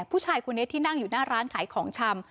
ผู้ชายคนนี้ที่นั่งอยู่หน้าร้านขายของชำ